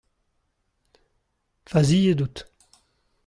Faziet out.